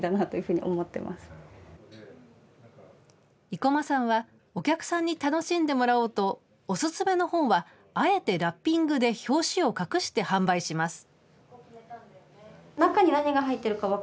生駒さんはお客さんに楽しんでもらおうと、おすすめの本はあえてラッピングで表紙を隠して販売します。